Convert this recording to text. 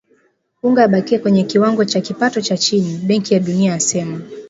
Uganda yabakia kwenye kiwango cha kipato cha chini, Benki ya Dunia yasema